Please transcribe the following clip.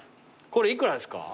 これ幾らですか？